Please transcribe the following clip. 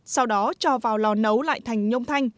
sau đó cho vào lò nấu lại thành nhôm thanh